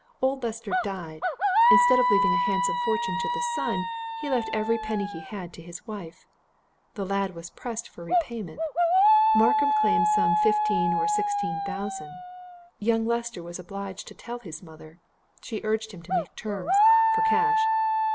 Old Lester died instead of leaving a handsome fortune to the son, he left every penny he had to his wife. The lad was pressed for repayment Markham claimed some fifteen or sixteen thousand. Young Lester was obliged to tell his mother. She urged him to make terms for cash.